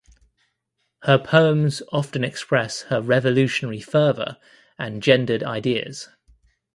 Her poems often express her revolutionary fervor and gendered ideas.